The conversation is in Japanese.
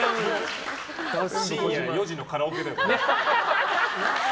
深夜４時のカラオケ。